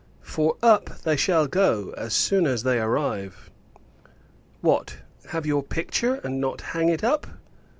For, up they shall go, as soon as they arrive. What, have your picture, and not hang it up?